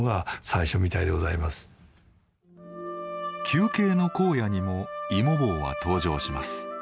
「球形の荒野」にもいもぼうは登場します。